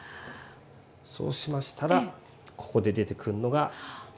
そうしましたらここで出てくるのがはちみつですね。